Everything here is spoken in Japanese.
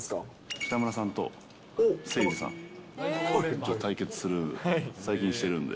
北村さんと誠司さん、対決する、最近してるんで。